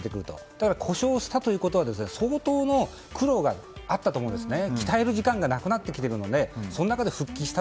だから、故障したということは相当の苦労があったと思うんですね。